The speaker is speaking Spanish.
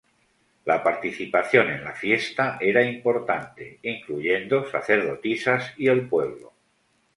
La participación en la fiesta era importante, incluyendo sacerdotisas y el pueblo.